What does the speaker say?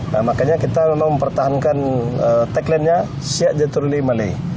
nah makanya kita memang mempertahankan tagline nya syekh jatul ali malik